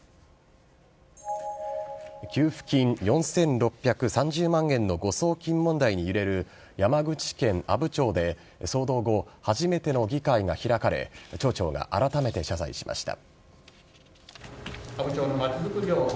給付金４６３０万円の誤送金問題に揺れる山口県阿武町で騒動後、初めての議会が開かれ町長があらためて謝罪しました。